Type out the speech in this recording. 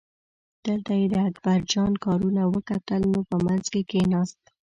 دلته یې د اکبرجان کارونه وکتل نو په منځ کې کیناست.